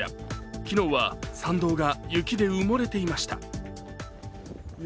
昨日は参道が雪で埋もれていました。